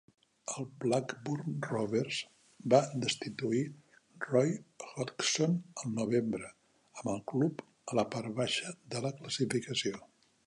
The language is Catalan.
El Blackburn Rovers va destituir Roy Hodgson al novembre, amb el club a la part baixa de la classificació.